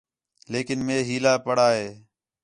لیکن مئے ہِیلا پڑھا ہِے